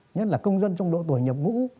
nhất là công dân trong độ tuổi nhập ngũ